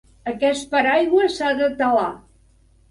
Aquest paraigua s'ha de telar.